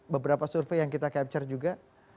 beberapa survei yang kita capture juga